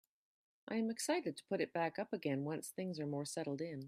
I am excited to put it back up again once things are more settled in.